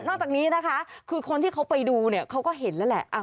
จากนี้นะคะคือคนที่เขาไปดูเนี่ยเขาก็เห็นแล้วแหละ